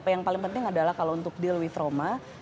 yang paling penting adalah kalau untuk deal with trauma